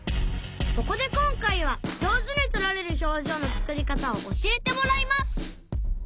そこで今回は上手に撮られる表情の作り方を教えてもらいます！